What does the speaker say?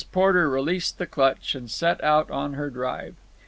Porter released the clutch and set out on her drive.